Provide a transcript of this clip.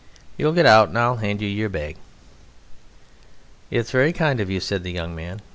You get out and I'll hand you your bag." "It's very kind of you," said the young man.